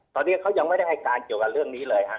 ตอนนี้เค้ายังไม่ได้ให้การเรื่องนี้เลยครับ